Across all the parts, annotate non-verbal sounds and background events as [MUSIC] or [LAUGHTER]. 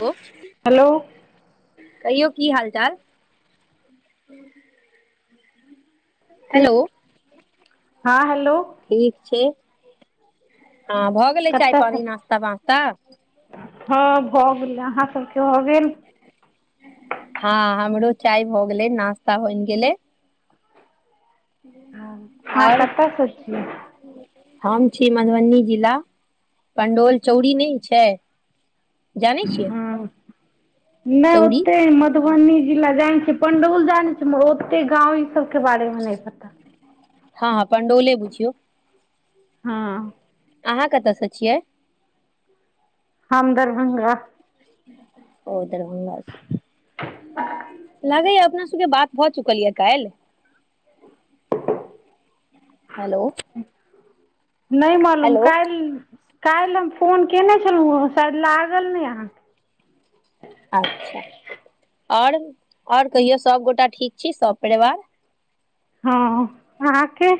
बो फ हेलो। कहियौ की हाल चाल। हूं। ठीक हेलो। हँ हेलो ठीक छै हँ भऽ गेलै चाय कतयसँ पानि नास्ता वास्ता हँ भऽ गेल अहाँ सबके भऽ गेल हँ हमरो चाय भए गेलै नास्ता बनि गेलै। [UNINTELLIGIBLE] अहां आओर कतऽ स छि। हम छी मधुबनी जिला, पण्डौल चौरी नहि छै। जानै छियै। हँ नहि चौरी ओते हिम्मत मधुबनी जिला जाने छि, पंडौल जाने छि, मगर ओते गाँंव इ सब के बारे मे नहि पता। हँ- हँ पंडौले बुझियौ। हँ अहाँ कतऽ स छियै? हम दरभंगा। ओ दरभंगा से [INAUDIBLE] लागैया अपना सबके बात भऽ चुकल यऽ काल्हि। हेलो नहि मालूम, हेलो काल्हि-काल्हि हम फोन केने छलौं हँ, शायद लागल नहि अहाँ अच्छा और-और कहियौ सबगोटा ठीक छी सब परिवार। हँ अहाँके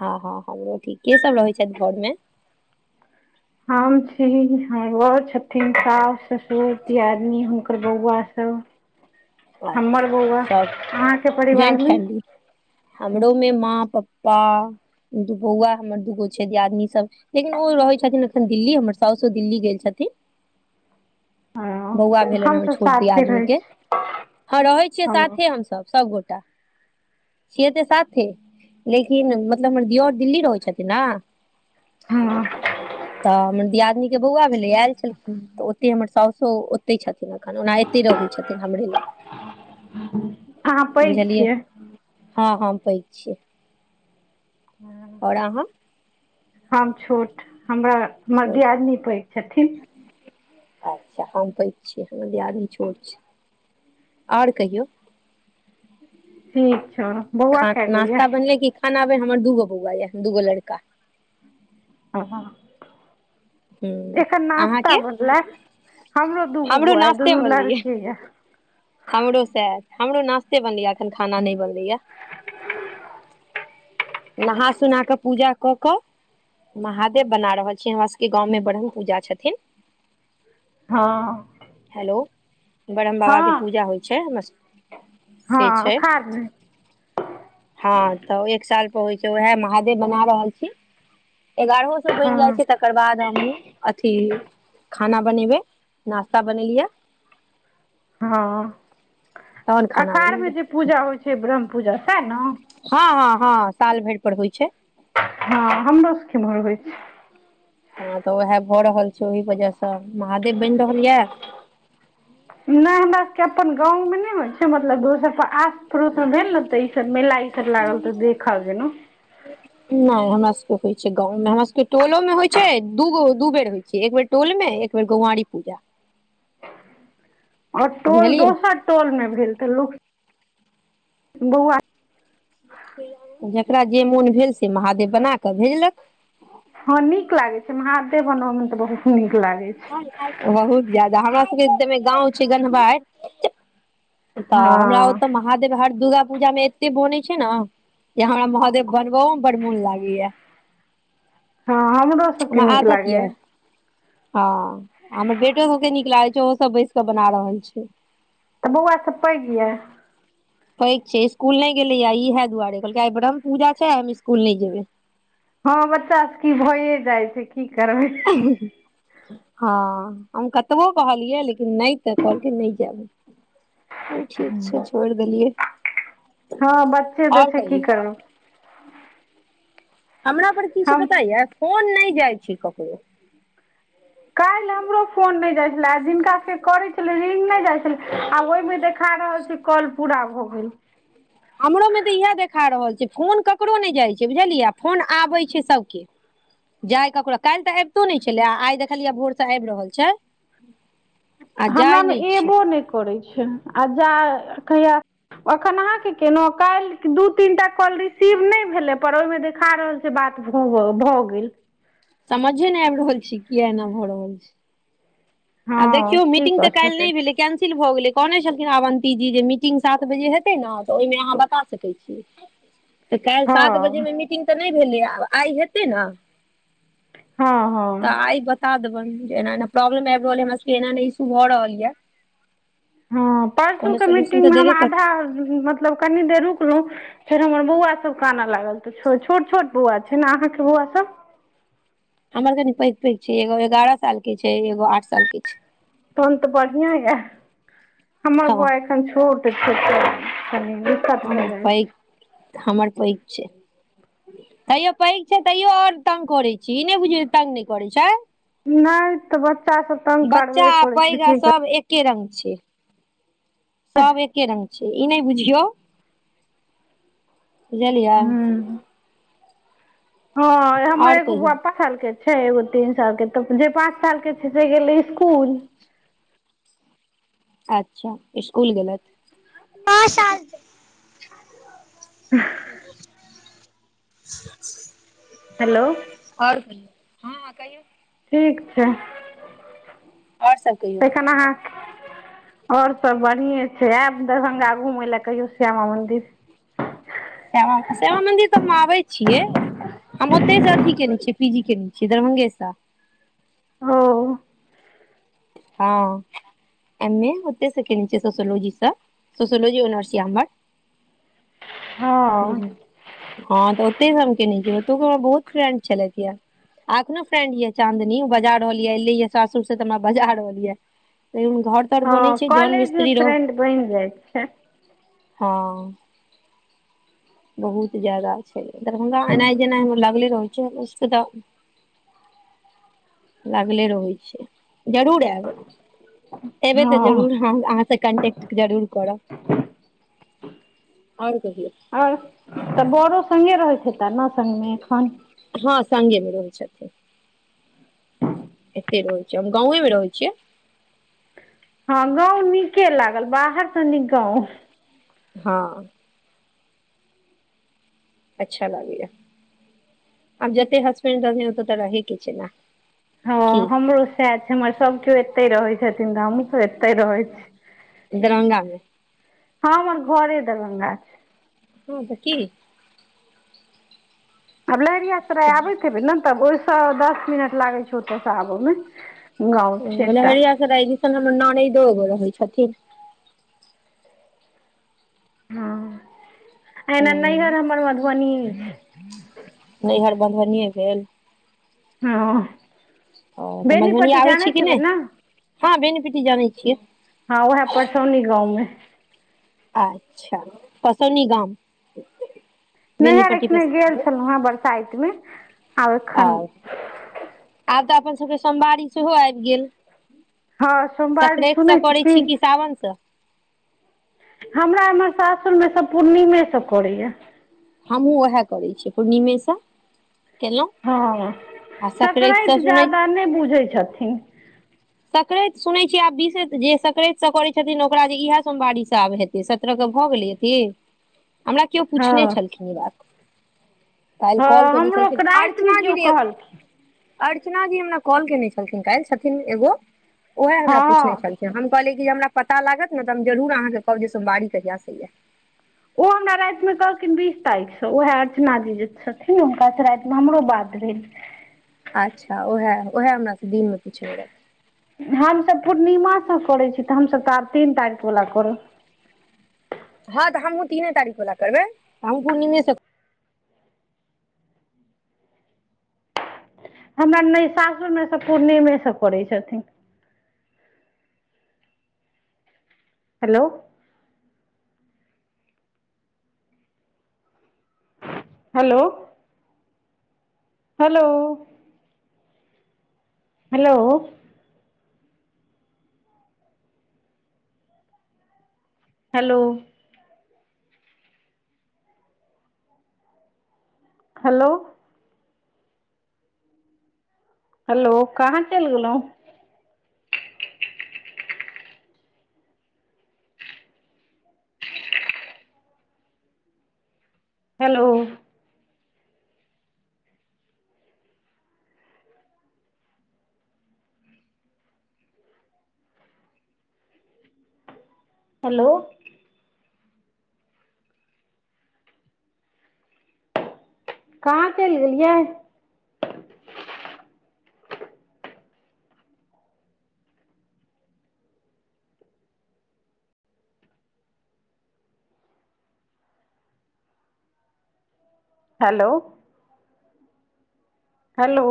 हँ-हँ हमरो ठीक, के सब रहै छथि घर मे हम छी, हमर बौर छथिन, सास, ससुर, दियादनी, हुनकर बौआ सब हमर अच्छा बौआ। सब अहाँके परिवार ज्वाइंट मे फैमिली हमरो मे माँ, पप्पा, दू बौआ हमर दूगो छै दियादनी सब लेकिन ओ रहै छथिन अखन दिल्ली, हमर साउसो दिल्ली गेल छथिन। ओ बौआ भेलनि हमर हमसब छोट साथे दियादनी रहै के छी। हँ रहै छियै हेलो साथे हमसब सबगोटा। [INAUDIBLE] छियै त साथे, लेकिन मतलब हमर दिओर दिल्ली रहै छथिन न। हँ तऽ हमर दियादनी के बौआ भेलैए, ऐल छलखिन हैं त ओते हमर साउसो ओते छथिन एखन ओना ए तै रहै छथिन हमरे लग अहाँ पैघ बुझलियै छियै। हँ हम पैघ छियै। और अहाँ हम छोट हमरा हमर छोट दियादिनी पैघ छथिन। अच्छा हम पैघ छियै, हमर दियादिनी छोट छै। और कहियौ ठीक छौ बौआ खा कए गो यऽ नाश्ता बनले कि ख खाना बैन, हमर दूगो बौआ ऽय दूगो लड़का। आओर हँ हूँ एखन नाश्ता अहाँके बनलै, हमरो दूगो बौआ एय नास्ते दुनू बनलैये लड़के यऽ। हमरो सैह, हमरो नास्ते बनलैया अखन खाना नहि बनलैया। नहा सुना कऽ पूजा कऽ कऽ महादेव बना रहल छीयै, हमर सबके गाँवं मे ब्रह्म पूजा छथिन। हँ हैलो ब्रह्म बाबाके हँ पूजा होइ छै हमरस हँ अखाढ़में। हँ तऽ एक साल पर होइ छै, वहैं महादेव बना रहल छी। एगारहो सौ बनि जाइ हँ छै, तकर बाद हमहुँ अथी खाना बनेबै, नाश्ता बनेलियैया। हँ तहन खाना अखाढ़ मे बनेबै जे पूजा होइ छै, ब्रह्म पूजा सैह न? हँ-हँ-हँ साल भरि पर होइ छै। हँ हमरो सब के एम्हर होइ छै। हँ तऽ उएह भऽ रहल छै ओही वजह सं, महादेव बनि रहल या? नै हमरा सबके अपन गाँवमे नै होइ छै, मतलब दोसरके आस पड़ोस मे भेल न तऽ ई सब मेला ई सब लागल तऽ देखऽ गेलौं। [INAUDIBLE] नै हमरा सबके होइ छै गाँवमे, हमरा सबके टोलोमे होइ छै दूगो, दू बेर होइ छै एक बेर टोल मे, एक बेर गौंआरी पूजा। [INAUDIBLE] और टोल बुझलियै दोसर टोल मे भेल तऽ लोक [INAUDIBLE] बौआ जकरा जे मोन भेल से महादेव बना कऽ भेजलक। हँ नीक लागै छै, महादेव बनब में तऽ बहुत नीक लागै छै [UNINTELLIGIBLE] जादा, हमरा सबके तै मे गाँंव छै गन्हवारि [INAUDIBLE] तऽ हमरा हँ ओत म महादेव हर दुर्गा पूजामे एते बनै छै न से हमरा महादेव बनबओ में बड मोन लागैया‌। [INAUDIBLE] हँ, हमरो सबके हमरा नीक आदत लागैया। यऽ हँ हमर बेटो सबके नीक लागै छै, ओहो सब बैस क बना रहल छै। तऽ बौआ सब पैग यै। पैग छै। इस्कुल नै गेलैया इहा दुआरे कहलकै आइ ब्रह्म पूजा छै हम इस्कुल नै जेबै। हँ बच्चा सब की ई भैए जाइ छै, की करबै? [INAUDIBLE] हँ, हम कतबो कहलियै लेकिन नै तऽ कहलकै नै जाएब हम। त ठीक छै, छोरि देलियै। हँ बच्चे तऽ आओर छै कहियौ की करबै? हमरा पर की छै हम पता या, फोन नै जाइ छी ककरो। काल्हि हमरो फोन नै जाइ छला आ जिनका सभके करै छलै रिंग नै जाइ छलै आ ओहिमे देखा रहल छै काल पूरा भऽ गेल। हमरो मे तऽ इएह देखा रहल छै, फोन ककरो नै जाइ छै बुझलियै फोन आबै छै सबके। जाइ ककरो काल्हि तऽ ऐबितो नै छलै आ आइ देखलियै भोरसँ आबि रहल छै। आ जाय हमरामे नहि छै एबो नै करै छै आ जा कहिया अखन अहाँ के केेलौं आ काल्हि दू तीनटा कॉल रिसीव नै भेलै पर ओइमे देखा रहल से बात भभ भ गेल। समझे नै आबि रहल छै किए एना भ रहल छै। आब हँ देखियौ की मीटिंग कऽ तऽ काल्हि नै सकैत छी भेलै? कैंसिल भऽ गेलै, कहने छलखिनहें अवन्ती जी जे मीटिंग सात बजे हेतै न तऽ ओइमे अहाँ बता सकै छियै। [INAUDIBLE] तऽ काल्हि सात हँ बजेमे मीटिंग तऽ नै भेलै आब आइ हेतै न। हँ [INAUDIBLE] तऽ हँ आइ बता देबनि जे एना एना प्रॉब्लम आबि रहल या, हमरा सबके एना एना न इशू भऽ रहल या। या [INAUDIBLE] हँ परसुके सोल्यूशन तऽ मीटिंगमे हम देबे करतै आधा मतलब कनी देर रुकलौं। फेर हमर बौआ सब कानऽ लागल त छो छोट छोट बौआ छै ने अहाँके बौआ सब? हमर कनी पैघ पैघ छै, एगो एगारह साल के छै एगो आठ साल के छै। तहन तऽ बढ़ियां या, [INAUDIBLE] हमर हँ बौआ एखन छोट छै। [UNINTELLIGIBLE] हमर जाइ पैग, छै [INAUDIBLE] हमर पैघ छै। तैइयो पैघ छै तैइयो औरक्षतंग करै छै, ई नय बुझियौ तंग नय करै छै। नय तऽ बच्चा सब तंग करबे करै छै की कर् एक्के रंग छै। सब एक्के रंग छै, ई नइ बुझियौ, बुझलियैऽ? हूँ हँ, हम्मर आओर एग्गो कहियौ बौउआ त्- पाँच साल के छै एगो तीन साल के तऽ जे पाँच साल के छै से गेलै इसकुल। अच्छा इसकुल गेलैथ। [UNINTELLIGIBLE] [UNINTELLIGIBLE] हेलो- और कहियौ, हंहं कहियौ ठीक छै। और सब कहियौ? एख्खन अहाँ और सब बढ़िए छै, ऐब दरभंगा घुमय लय कहियो श्यामा मंदिर। श्यामा -श्यामा मंन्दिर तऽ हम आबै छियै। हम ओत्तय से अथी केने छियै, पी जी केने छियै, दरभंगे स। ओ हँ- एम ए, ओत्तय स केने छी सोशिलोजीस सोशियोलोजी आनर्स अइछ हम्मर। [INAUDIBLE] बुझल, हँ तऽ ओत्तय स हम केने छी, ओतौ के हमरा बहुत फ्रेंड छलैथयै। आ अखनो फ्रेंड यै चांदनी ऊ बजा रहल यै एलैयै सासुर स त हमरा बजा रहल यै, लेकिन घर तर बनै हँ छै जौन कॉलेज मे मिस्त्री रो- फ्रेंड बनि जाइ छै हँ- बहुत जादा छै, दरभंगा एनाइ- जेनाइ हमरा लागले रहै छै, उसे तऽ लगले रहै छै, जरूर ऐब, एबै तऽ हँ जरूर हं आं त कनटेक्ट जरूर करब। और कहियौ? और, तऽ बड़ो सङ्गे रहैत हेता ने संग में एखन? हँ संगे ने रहै छथिन। एत्ते रहय छिये् - हम गांवे में रहै छियै। हँ गाँंव नीके लागल, बाहरसँ नीक गाँव। हँ। अच्छा लागैयैऽ। आब जत्ते हसबैंड रहथिन ओत त रहैय के छय ने। हँ की हमरो सैह छै। हमर सभ केओ एत्तय रहै छथिन तऽ हमहूँ सब एत्ते रहै छी। दरभंगा मे। हँ, हमर घरे दरभंगा छै। हँ त की? आब लहेरियासराय आबैत हेबै ने, तब ओयसँ, दस मिनट लागै छै ओतयसँ आबय मे। ओ, लहेरियासराय दिस हम्मर ननैइदो एग्गो रहय छथिन। हँ, एना नैइहर हूँ हम्मर मधुबनीये अय। नैहर मधुबनिये भेल। हं। ओ तऽ मधुबनी आबै छी की हेबै नय? ने हँ बेनीपट्टी जानय छियै। हँं, उहैए परसौनी गाँवमे। अच्छा पसौनी गाम। नैहर बेनीपट्टी एखने पस गेल छलहुँ हेँ, बरसाइतमे। आब आ, एखन आब तऽ अपन सभके सोमवारी सेहो आबि गेल। हँ सोमवारी सक्रतसँ सुनै करै की? छी, कि सावनसँ। हमरा एम्हर सासुरमे सब पूर्णिमे सब करैया। हमहु उएह करै छियै, पूर्णिमेसँ! केलहुँ हँ, आ सकरातिसँ स्करा्ति सुनै जादा नहि बुझै छथिन। सक्राति सुनैत छियै आब विष जे सक्रा्तसँ करैत छथिन, ओकरा जे इएह सोमवारिश आब हेतै, सत्रह के भऽ गेलै। की हमरा केओ पूछने हँ छलखिन ईबात। काल्हि हँ कल केने हमरो छलखिन, रातिमे अर्चना जी केओ ने कहलखिन अर्चना जी हमरा कॉल केने छलखिन काल्हि, छथिन एगो ओएहे हमरा पूछने हँ छलखिय, हम कहलियै कि जे हमरा पता लागत ने तऽ हम जरूर अहाँकेँ कहब, जे सोमारी कहिआासँ या। ओ हमरा राति मे कहलखिन बीस तारीख से, उएह अर्चना जी जे छथिन हुनका से राति मे हमरो बाद भेल। अच्छा! ओएह, उएह हमरा से दिन में पुछने रहैत। हमसभ पूर्णिमाासँ करैत छी, तऽ हमसभ त तीन तारीख वला करब। हँ तऽ हमहू तीने तारीख वला करबै, हम पूर्णिमे से हमरा नहि सासुरमे सभ पूर्णिमे सब करै छथिन। Hello! Hello! Hello! Hello! Hello! Hello! Hello! कहाँ चलि गेलहु? हेलो! हेलो! कहाँ चलि गेलियै? हेलो! हेलो!